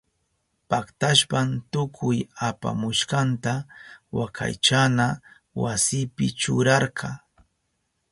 Paktashpan tukuy apamushkanta wakaychana wasipi churarka.